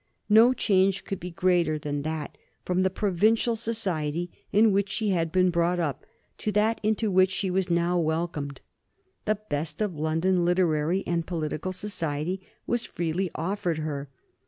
No change could be greater than that from the provincial society in which she had been brought up, to that into which she was now welcomed. The best of London literary and political society was freely offered her.